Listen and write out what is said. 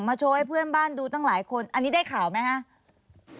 โชว์ให้เพื่อนบ้านดูตั้งหลายคนอันนี้ได้ข่าวไหมครับ